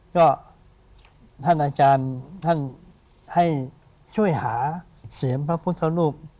ก็ท่านอาจารย์ท่านให้ช่วยหาเสียงพระพุทธรูป